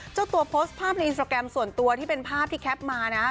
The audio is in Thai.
เจ้าตัวโพสต์ภาพในอินสตราแกรมส่วนตัวที่เป็นภาพที่แคปมานะครับ